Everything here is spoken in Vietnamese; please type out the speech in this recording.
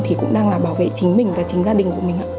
thì chính mình và chính gia đình của mình